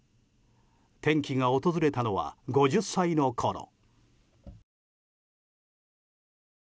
転機が訪れたのは５０歳のころ。